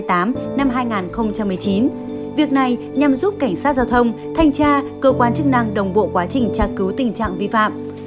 việc này nhằm giúp cảnh sát giao thông thanh tra cơ quan chức năng đồng bộ quá trình tra cứu tình trạng vi phạm